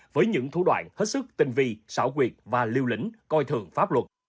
với những thủ đoạn hết sức tình vi xảo quyệt và lưu lĩnh coi thường pháp luật